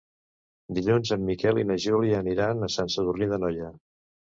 Dilluns en Miquel i na Júlia aniran a Sant Sadurní d'Anoia.